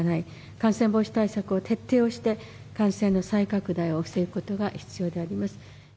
感染防止対策を徹底をして、感染の再拡大を防ぐことが必要であります。